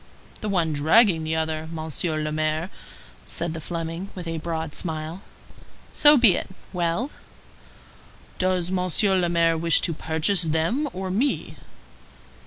"The one dragging the other, Monsieur le Maire," said the Fleming, with a broad smile. "So be it. Well?" "Does Monsieur le Maire wish to purchase them or me?"